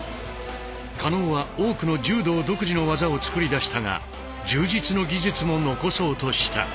嘉納は多くの柔道独自の技を作り出したが柔術の技術も残そうとした。